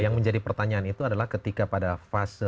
yang menjadi pertanyaan itu adalah ketika pada fase